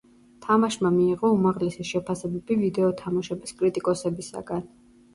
თამაშმა მიიღო უმაღლესი შეფასებები ვიდეო თამაშების კრიტიკოსებისაგან.